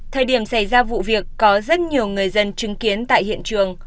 thời điểm xảy ra vụ việc có rất nhiều người dân chứng kiến tại hiện trường